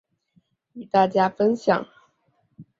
与大家分享